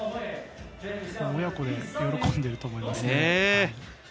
親子で喜んでいると思いますよ。